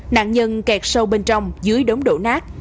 nạn nhân kẹt sâu bên trong dưới đống đổ nát